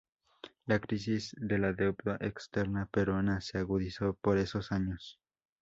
La crisis de la deuda externa peruana se agudizó por esos años.